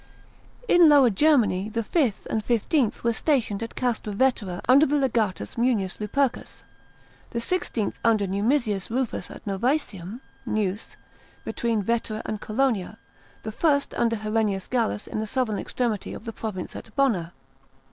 In Lower Germany the Vth and XVth were stationed at Castra Vetera under the legatus Mimius Lupercus; the XVIth under Numisius Rufus at Novsesiuni (Neuss), between Vetera and Colonia; the 1st under Herennius Gallus in the southern extremity of the province at Bonna.